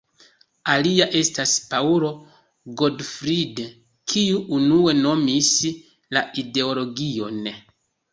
Alia estas Paul Gottfried, kiu unue nomis la ideologion.